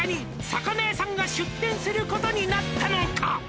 「魚屋さんが出店することになったのか？」